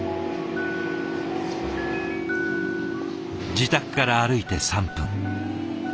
自宅から歩いて３分。